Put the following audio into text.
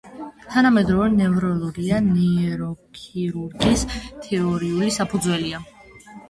თანამედროვე ნევროლოგია ნეიროქირურგიის თეორიული საფუძველია.